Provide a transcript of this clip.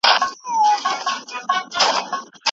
ټولنیز محیط د څېړني پر پایلو ژور اغېز لري.